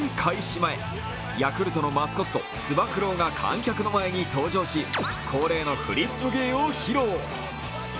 前、ヤクルトのマスコットつば九郎が観客の前に登場し恒例のフリップ芸を披露。